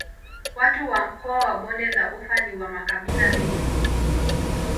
Watu wa mkoa wa Bonde la Ufa ni wa makabila mengi.